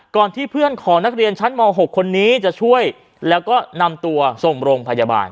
ก่อนที่เพื่อนของนักเรียนชั้นม๖คนนี้จะช่วยแล้วก็นำตัวส่งโรงพยาบาล